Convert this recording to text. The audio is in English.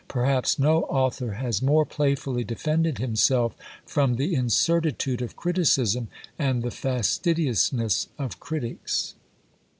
Perhaps no author has more playfully defended himself from the incertitude of criticism and the fastidiousness of critics.